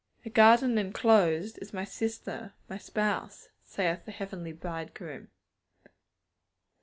'A garden enclosed is my sister, my spouse,' saith the Heavenly Bridegroom.